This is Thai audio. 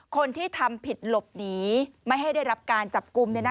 คนที่ทำผิดหลบหนีไม่ให้ได้รับการจับกลุ่ม